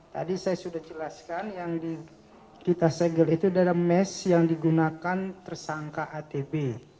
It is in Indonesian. tadi saya sudah jelaskan yang kita segel itu adalah mes yang digunakan tersangka atb